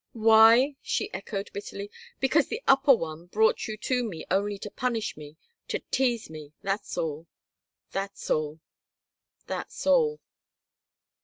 "Why!" she echoed, bitterly. "Because the Upper One brought you to me only to punish me, to tease me. That's all. That's all. That's all."